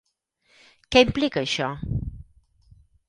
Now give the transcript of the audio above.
Què implica això?